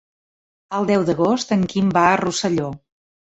El deu d'agost en Quim va a Rosselló.